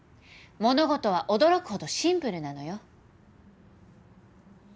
物事は驚くほどシンプルなのよ。